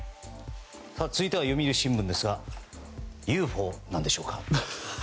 続いては読売新聞ですがＵＦＯなのでしょうか。